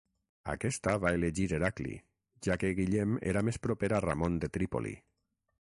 Aquesta va elegir Heracli, ja que Guillem era més proper a Ramon de Trípoli.